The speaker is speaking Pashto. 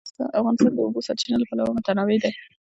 افغانستان د د اوبو سرچینې له پلوه متنوع دی.